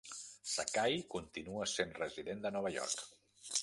Sakhai continua sent resident de Nova York.